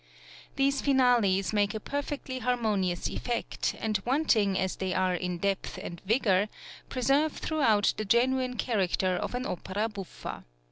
These finales make a perfectly harmonious effect, and wanting as they are in depth and vigour, preserve throughout the genuine character of an opera buffa.